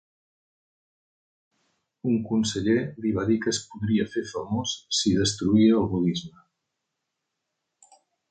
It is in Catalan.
Un conseller li va dir que es podria fer famós si destruïa el budisme.